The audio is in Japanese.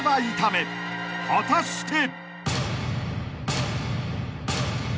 ［果たして？］